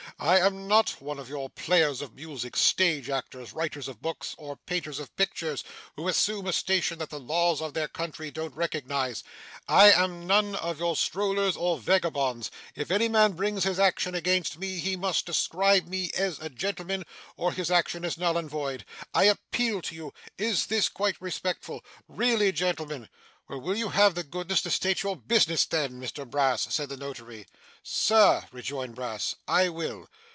I am not one of your players of music, stage actors, writers of books, or painters of pictures, who assume a station that the laws of their country don't recognise. I am none of your strollers or vagabonds. If any man brings his action against me, he must describe me as a gentleman, or his action is null and void. I appeal to you is this quite respectful? Really gentlemen ' 'Well, will you have the goodness to state your business then, Mr Brass?' said the notary. 'Sir,' rejoined Brass, 'I will.